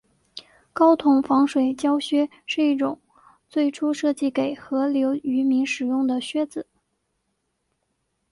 高筒防水胶靴是一种最初设计给河流渔民使用的靴子。